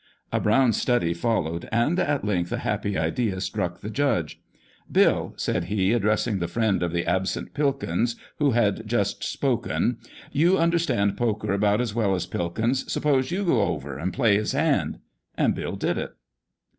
A brown study followed, and at length a happy idea struck the judge :" Bill," said he, addressing the friend of the absent Pilkins who had just spoken, " you understand poker about as well as Pilkins. Suppose you go over and play his hand !" And Bill did it.